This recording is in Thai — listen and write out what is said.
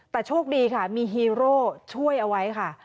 แต่โชคดีค่ะมีฮีโร่ช่วยเอาไว้ค่ะ